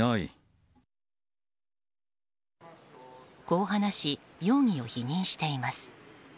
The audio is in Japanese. こう話し容疑を否認しています。